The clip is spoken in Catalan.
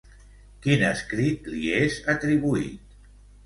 Quin escrit li és atribuït?